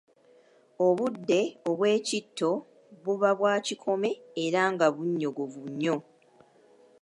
Obudde obw'ekitto buba bwakikome era nga bunnyogovu nnyo.